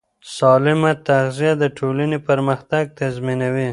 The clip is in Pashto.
سالمه تغذیه د ټولنې پرمختګ تضمینوي.